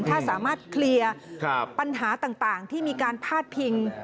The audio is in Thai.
ถ้าสามารถเคลียร์ปัญหาต่างที่มีการพาดพิง